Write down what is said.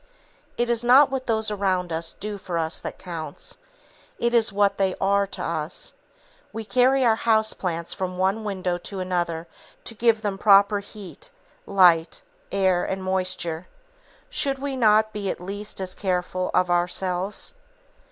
It is not what those around us do for us that counts, it is what they are to us. We carry our house plants from one window to another to give them the proper heat, light, air and moisture. Should we not be at least as careful of ourselves?